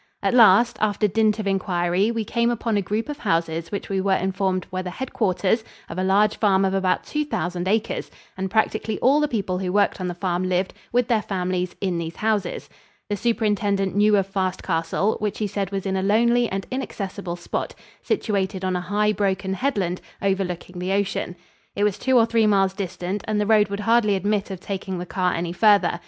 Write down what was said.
At last, after dint of inquiry, we came upon a group of houses which we were informed were the headquarters of a large farm of about two thousand acres, and practically all the people who worked on the farm lived, with their families, in these houses. The superintendent knew of Fast Castle, which he said was in a lonely and inaccessible spot, situated on a high, broken headland overlooking the ocean. It was two or three miles distant and the road would hardly admit of taking the car any farther.